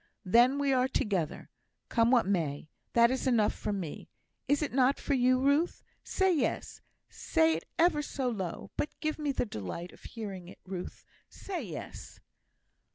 Then we are together, come what may; that is enough for me; is it not for you, Ruth? Say, yes say it ever so low, but give me the delight of hearing it. Ruth, say yes."